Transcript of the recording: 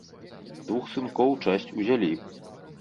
Двух сынкоў часць узялі.